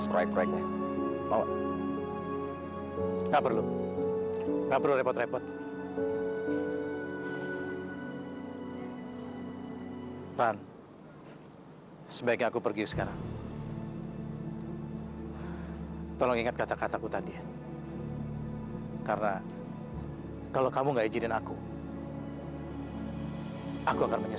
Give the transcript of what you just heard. sampai jumpa di video selanjutnya